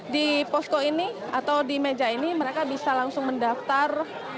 di posko ini atau di meja ini mereka bisa langsung mendaftar